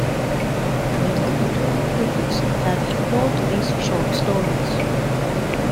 Many literary critics have ignored these short stories.